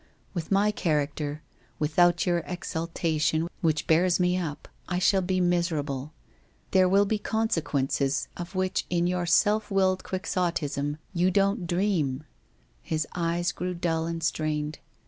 With my character, without your exaltation which bears you up, I shall be miserable. There will be consequences of which in your self willed Quixotism you don't dream ' His eyes grew dull and strained.